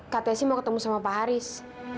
kak tesi mau ketemu sama pak haris